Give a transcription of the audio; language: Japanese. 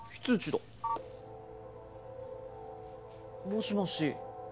もしもし。